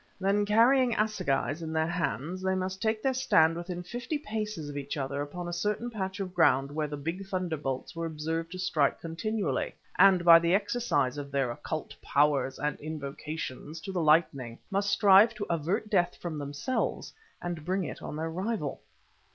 Then, carrying assegais in their hands, they must take their stand within fifty paces of each other upon a certain patch of ground where the big thunderbolts were observed to strike continually, and by the exercise of their occult powers and invocations to the lightning, must strive to avert death from themselves and bring it on their rival.